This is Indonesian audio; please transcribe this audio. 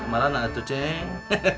kamarana itu ceng